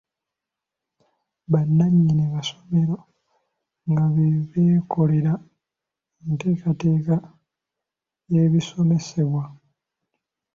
Bannannyini masomero nga be beekolera enteekateeka y’ebisomesebwa.